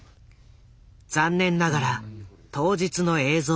残念ながら当日の映像はない。